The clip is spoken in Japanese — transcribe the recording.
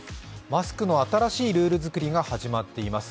マスクの新しいルール作りが始まっています。